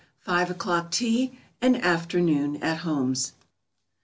_FIVE O'CLOCK TEA AND AFTERNOON AT HOMES.